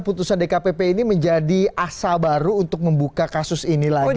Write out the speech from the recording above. putusan dkpp ini menjadi asa baru untuk membuka kasus ini lagi